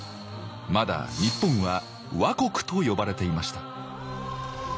まだ日本は倭国と呼ばれていました。